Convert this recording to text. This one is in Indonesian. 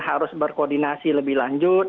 harus berkoordinasi lebih lanjut